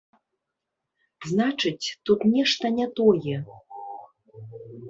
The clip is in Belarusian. Значыць, тут нешта не тое.